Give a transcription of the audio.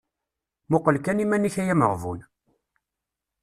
Muqel kan iman-ik ay ameɣbun…